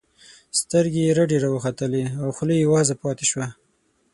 سترګې یې رډې راوختلې او خوله یې وازه پاتې شوه